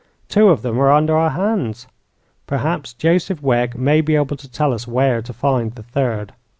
Two of them are under our hands; perhaps Joseph Wegg may be able to tell us where to find the third."